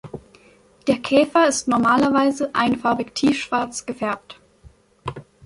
Der Käfer ist normalerweise einfarbig tiefschwarz gefärbt.